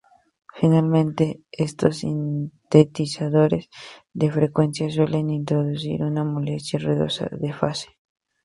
Finalmente, estos sintetizadores de frecuencia suelen introducir un molesto ruido de fase.